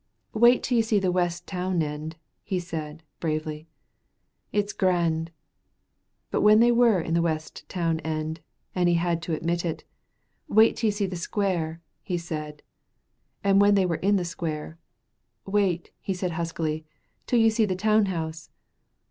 "Wait till you see the west town end," he said, bravely: "it's grand." But when they were in the west town end, and he had to admit it, "Wait till you see the square," he said, and when they were in the square, "Wait," he said, huskily, "till you see the town house."